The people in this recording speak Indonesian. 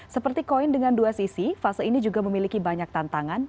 seperti koin dengan dua sisi fase ini juga memiliki banyak tantangan